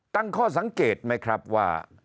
ตั้งข้อสังเกตไหมครับว่า